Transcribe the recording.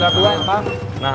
satu lagi sini kak